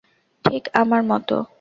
ঠিক আমার মতো।